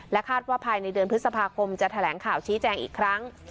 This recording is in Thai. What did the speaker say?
คาดว่าภายในเดือนพฤษภาคมจะแถลงข่าวชี้แจงอีกครั้ง